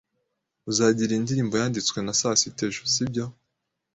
Uzagira iyi ndirimbo yanditswe na sasita ejo, sibyo?